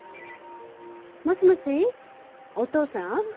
もしもしおとうさん？